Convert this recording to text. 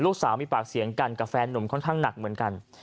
ลูกสาวมีปากเสียงกันกับแฟนหนุ่มค่อนข้างหนักเหมือนกัน